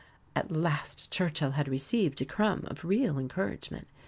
At last Churchill had received a crumb of real encouragement.